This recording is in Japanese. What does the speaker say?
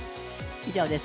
以上です。